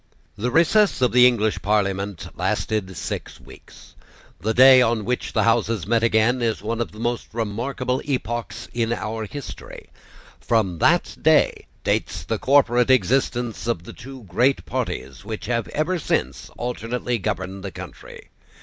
The recess of the English Parliament lasted six weeks. The day on which the Houses met again is one of the most remarkable epochs in our history. From that day dates the corporate existence of the two great parties which have ever since alternately governed the country.